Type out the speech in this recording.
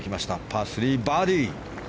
パー３、バーディー。